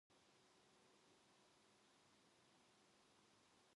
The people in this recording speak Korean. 전차 정류장에서 조금 떨어지게 사람 다니는 길과 전찻길 틈에 인력거를 세워 놓았다